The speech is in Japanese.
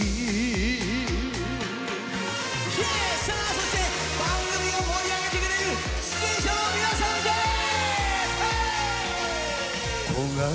そして番組を盛り上げてくれる出演者の皆さんです！